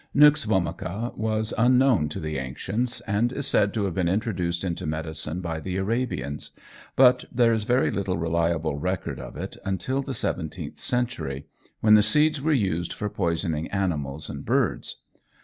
Nux vomica was unknown to the ancients, and is said to have been introduced into medicine by the Arabians, but there is very little reliable record of it until the seventeenth century, when the seeds were used for poisoning animals and birds.